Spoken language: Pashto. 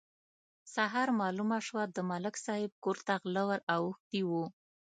سهار مالومه شوه: د ملک صاحب کور ته غله ور اوښتي وو.